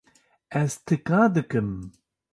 Ez tika dikim.